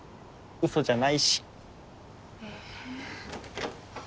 嘘じゃないし。